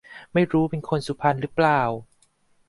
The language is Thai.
ไม่รู้เป็นคนสุพรรณรึเปล่า